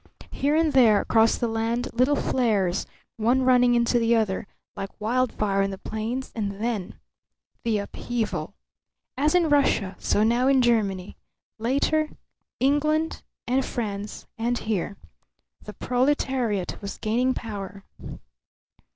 Here and there across the land little flares, one running into the other, like wildfire on the plains, and then the upheaval. As in Russia, so now in Germany; later, England and France and here. The proletariat was gaining power.